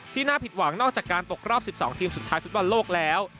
น่าผิดหวังนอกจากการตกรอบ๑๒ทีมสุดท้ายฟุตบอลโลกแล้ว